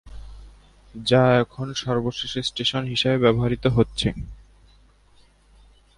যা এখন সর্বশেষ স্টেশন হিসেবে ব্যবহৃত হচ্ছে।